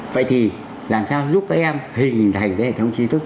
vậy thì làm sao giúp các em hình thành cái hệ thống trí thức